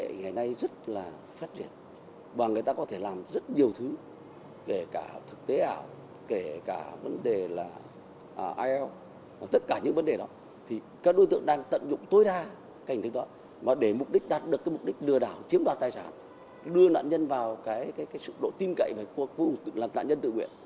công nghệ ngày nay rất là phát triển và người ta có thể làm rất nhiều thứ kể cả thực tế ảo kể cả vấn đề là ielts và tất cả những vấn đề đó thì các đối tượng đang tận dụng tối đa cái hình thức đó mà để mục đích đạt được cái mục đích lừa đảo chiếm đoạt tài sản đưa nạn nhân vào cái sự độ tin cậy của nạn nhân tự nguyện